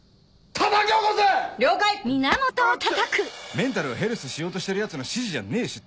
メンタルをヘルスしようとしてるヤツの指示じゃねえし